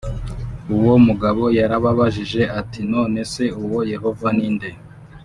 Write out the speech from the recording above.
Uwo mugabo yarababajije ati none se uwo Yehova ni nde